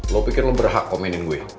lo pikir lo berhak komenin gue